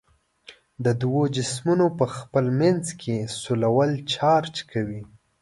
د دوو جسمونو په خپل منځ کې سولول چارج کوي.